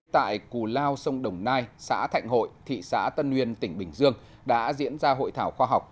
tại cù lao sông đồng nai xã thạnh hội thị xã tân nguyên tỉnh bình dương đã diễn ra hội thảo khoa học